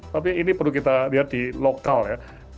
tapi ini perlu kita lihat di lokal ya